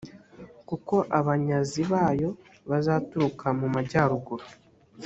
kuko abanyazi bayo bazaturuka mu majyaruguru